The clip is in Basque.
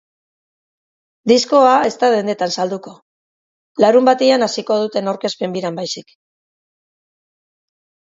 Diskoa ez da dendetan salduko, larunbatean hasiko duten aurkezpen biran baizik.